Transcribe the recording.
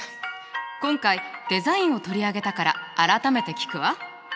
今回デザインを取り上げたから改めて聞くわ。